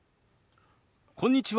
こんにちは。